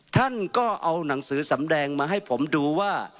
ท่านก็เอาหนังสือสำแดงมาให้ผมดูว่า